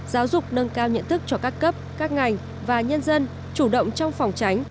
giáo dục nâng cao nhận thức cho các cấp các ngành và nhân dân chủ động trong phòng tránh